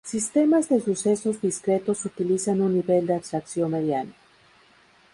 Sistemas de sucesos discretos utilizan un nivel de abstracción mediano.